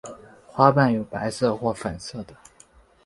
花瓣有白色或粉色的。